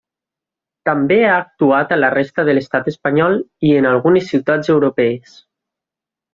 També ha actuat a la resta de l'estat espanyol i en algunes ciutats europees.